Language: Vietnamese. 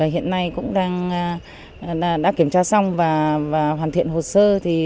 hiện nay cũng đang kiểm tra xong và hoàn thiện hồ sơ